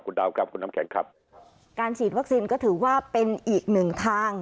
คุณดาวครับคุณน้ำแข็งครับการฉีดวัคซีนก็ถือว่าเป็นอีกหนึ่งทาง